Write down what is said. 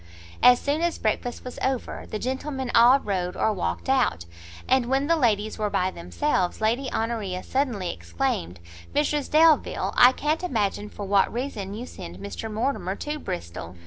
As soon as breakfast was over, the gentlemen all rode or walked out; and when the ladies were by themselves, Lady Honoria suddenly exclaimed, "Mrs Delvile, I can't imagine for what reason you send Mr Mortimer to Bristol."